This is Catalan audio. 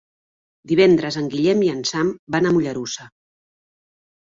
Divendres en Guillem i en Sam van a Mollerussa.